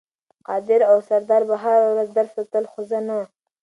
قادر او سردار به هره ورځ درس ته تلل خو زه نه.